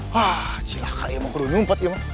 hah celaka emang perlu nyumpet ya ma